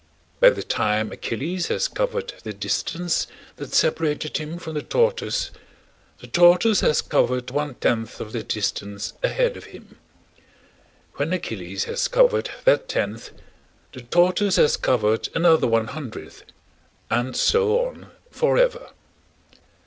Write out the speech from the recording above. By the time Achilles has covered the distance that separated him from the tortoise, the tortoise has covered one tenth of that distance ahead of him: when Achilles has covered that tenth, the tortoise has covered another one hundredth, and so on forever.